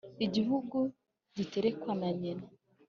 igihugu gitegekwa na nyina.